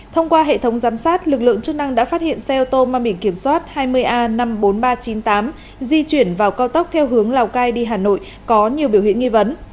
thông qua hệ thống giám sát lực lượng chức năng đã phát hiện xe ô tô mang biển kiểm soát hai mươi a năm mươi bốn nghìn ba trăm chín mươi tám di chuyển vào cao tốc theo hướng lào cai đi hà nội có nhiều biểu hiện nghi vấn